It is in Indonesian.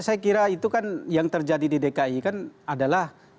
saya kira itu kan yang terjadi di dki kan adalah